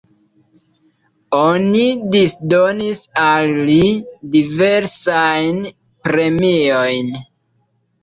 Oni disdonis al li diversajn premiojn.